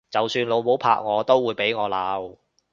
就算老母拍我都會俾我鬧！